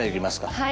はい。